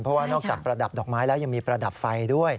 เพราะว่านอกจากประดับดอกไม้แล้วยังมีประดับไฟด้วย